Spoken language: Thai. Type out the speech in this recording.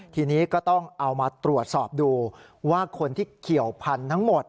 ทีนี้ก็ต้องเอามาตรวจสอบดูว่าคนที่เกี่ยวพันธุ์ทั้งหมด